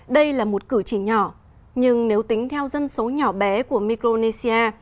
đây là một cử chỉ nhỏ nhưng nếu tính theo dân số nhỏ bé của micronesia